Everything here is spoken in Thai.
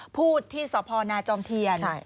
พูดที่สพนาจอมเทียน